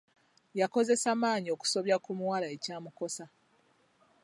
Yakozesa maanyi okusobya ku muwala ekyamukosa.